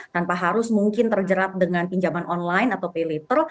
tanpa harus mungkin terjerat dengan pinjaman online atau pay later